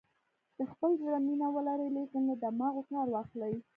د خپل زړه مینه ولرئ لیکن له دماغو کار واخلئ.